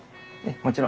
もちろん。